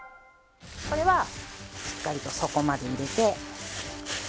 これはしっかりと底まで入れて広げます。